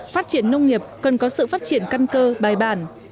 phát triển nông nghiệp cần có sự phát triển căn cơ bài bản